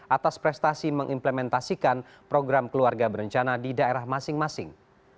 atas prestasi mengimplementasikan program keluarga berencana di daerah masing masing